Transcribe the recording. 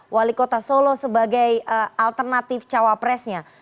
wali kota solo sebagai alternatif capres caopresnya